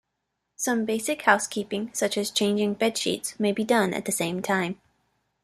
Some basic housekeeping, such as changing bedsheets, may be done at the same time.